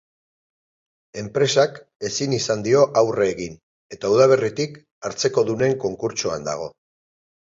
Enpresak ezin izan dio aurre egin, eta udaberritik, hartzekodunen konkurtsoan dago.